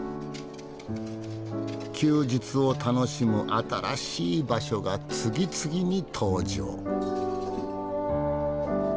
休日を楽しむ新しい場所が次々に登場！